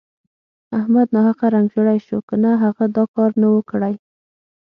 احمد ناحقه رنګ ژړی شو که نه هغه دا کار نه وو کړی.